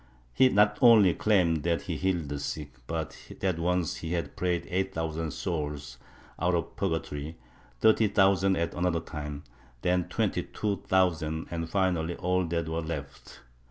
He not only claimed that he healed the sick but that once he had prayed eight thousand souls out of pm gatory, thirty thousand at another time, then twenty two thousand and finally all that were left.